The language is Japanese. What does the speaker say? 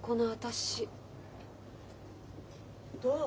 どう？